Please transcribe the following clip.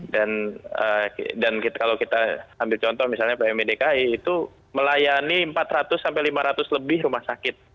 kalau kita ambil contoh misalnya pmi dki itu melayani empat ratus sampai lima ratus lebih rumah sakit